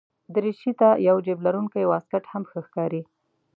دریشي ته یو جېب لرونکی واسکټ هم ښه ښکاري.